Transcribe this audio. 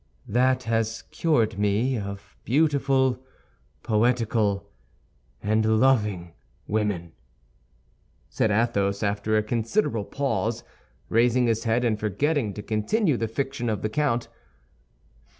"That has cured me of beautiful, poetical, and loving women," said Athos, after a considerable pause, raising his head, and forgetting to continue the fiction of the count.